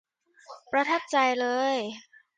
ประทับใจเลย